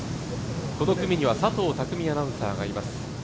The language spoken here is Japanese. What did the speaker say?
この組には佐藤巧アナウンサーがいます。